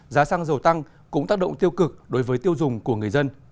giá xăng dầu tăng cũng tác động tiêu cực đối với tiêu dùng của người dân